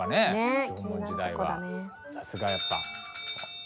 さすがやっぱ。